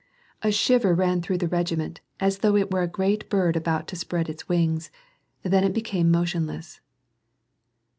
A shiver ran through the regiment, as though it were a great bird about to spread its wings j then it became motionless.